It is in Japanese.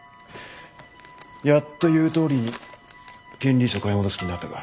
やっと言うとおりに権利書買い戻す気になったか。